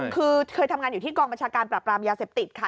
คือเคยทำงานอยู่ที่กองบัญชาการปรับปรามยาเสพติดค่ะ